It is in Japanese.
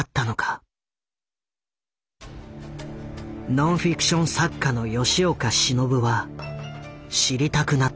ノンフィクション作家の吉岡忍は知りたくなった。